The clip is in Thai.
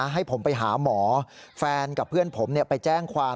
ให้ผมไปหาหมอแฟนกับเพื่อนผมไปแจ้งความ